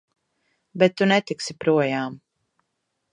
Bet tu netiksi projām!